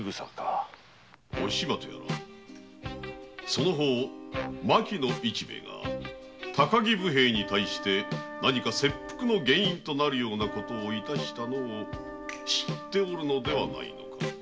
お島とやらその方牧野市兵衛が高木武兵衛に対し何か切腹の原因となるようなことを致したのを知っておるのではないのか？